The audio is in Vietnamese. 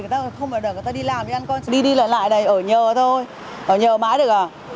để người ta đi làm đi ăn con đi đi lại ở nhà thôi ở nhà ở mãi được à